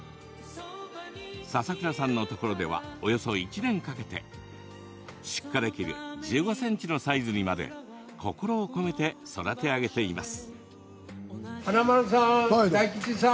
佐々倉さんのところではおよそ１年かけて出荷できる１５ｃｍのサイズにまで心をこめて育て上げています。